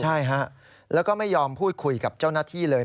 ใช่ฮะแล้วก็ไม่ยอมพูดคุยกับเจ้าหน้าที่เลย